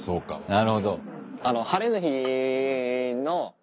なるほど。